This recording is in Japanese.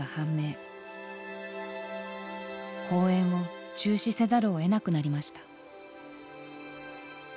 公演を中止せざるをえなくなりました。